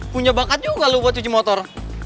punya bakat juga loh buat cuci motor